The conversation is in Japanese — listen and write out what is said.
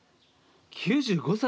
９５歳？